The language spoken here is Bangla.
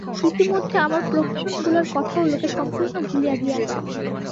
ইতিমধ্যে আমার প্রহসনগুলার কথাও লোকে সম্পূর্ণ ভুলিয়া গিয়াছে।